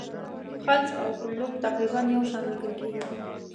خلج او خُلُّخ تقریبا یو شان لیکل کیږي.